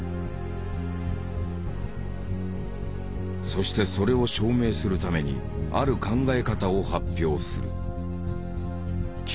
そしてそれを証明するためにある考え方を発表する。